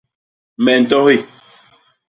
Me ntohi.